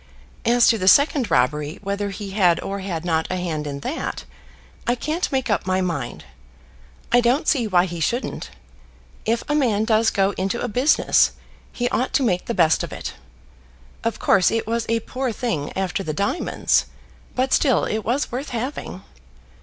As to the second robbery, whether he had or had not a hand in that, I can't make up my mind. I don't see why he shouldn't. If a man does go into a business, he ought to make the best of it. Of course, it was a poor thing after the diamonds; but still it was worth having.